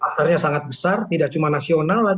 pasarnya sangat besar tidak cuma nasional